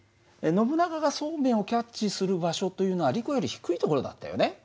ノブナガがそうめんをキャッチする場所というのはリコより低い所だったよね。